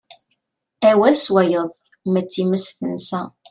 Awal s wayeḍ, ma d times tensa.